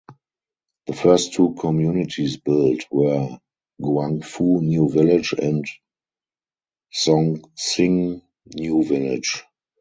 The first two communities built were Guangfu New Village and Zhongxing New Village.